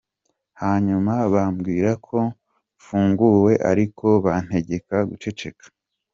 Hanyuma bambwira ko mfunguwe, ariko bantegeka gucecekeka.